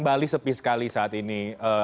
bali sepi sekali saat ini